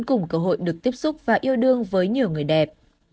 cùng cơ hội được tiếp xúc và yêu đương với nhiều người đẹp